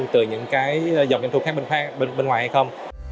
từ những dòng doanh thu khác bên ngoài hay không